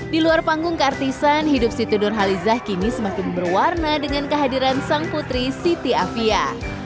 di luar panggung keartisan hidup siti nurhalizah kini semakin berwarna dengan kehadiran sang putri siti afia